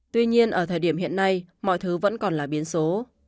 tuy nhiên ở thời điểm hiện nay mọi thứ vẫn còn là biển số